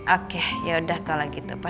oke ya udah kalau gitu pak